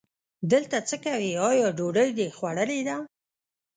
دلته څه کوې، آیا ډوډۍ دې خوړلې ده؟